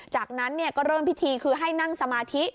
จากนั้นก็เริ่มพิธีคือให้นั่งสมาธิ